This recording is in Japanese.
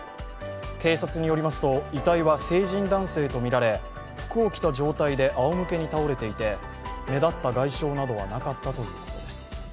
警察によりますと、遺体は成人男性とみられ服を着た状態であおむけに倒れていて目立った外傷などはなかったということです。